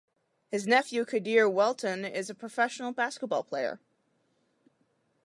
His nephew, Quadir Welton, is a professional basketball player.